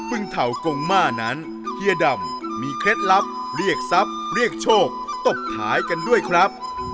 ึงเถ่ากงม่านั้นเฮียดำมีเคล็ดลับเรียกทรัพย์เรียกโชคตบขายกันด้วยครับ